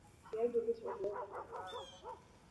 viazi lishe huweza hukaangwa